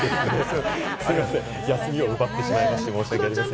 すみません、休みを奪ってしまって、申しわけありません。